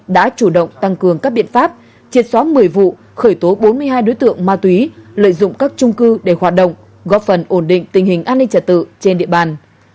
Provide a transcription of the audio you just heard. đã chủ động tăng cường các biện pháp triệt xóa một mươi vụ khởi tố bốn mươi hai đối tượng ma túy lợi dụng các trung cư để hoạt động góp phần ổn định tình hình an ninh trả tự trên địa bàn